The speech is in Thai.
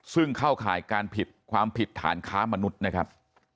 ซึ่งเข้าข่ายการผิดความผิดฐานค้ามนุษย์นะครับ